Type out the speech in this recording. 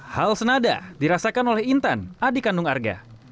hal senada dirasakan oleh intan adik kandung arga